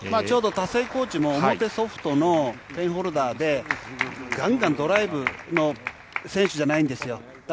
ちょうど田勢コーチも、おもてソフトのテンホルダーでがんがんドライブの選手じゃないんですよ。